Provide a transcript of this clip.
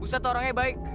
bu ustadz orangnya baik